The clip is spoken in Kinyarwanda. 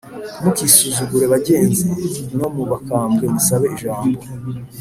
Ntimukisuzugure bagenzi No mu bakambwe musabe ijambo